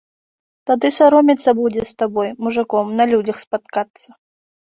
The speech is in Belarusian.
Тады саромецца будзе з табою, мужыком, на людзях спаткацца.